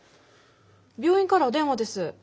病院からお電話です。